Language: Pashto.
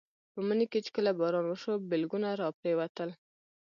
په مني کې چې کله باران وشو بلګونه راپرېوتل.